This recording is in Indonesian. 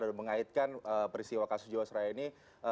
mengaitkan peristiwa kasus jiwasraya ini